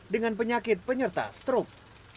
dengan penyakit penyerta strok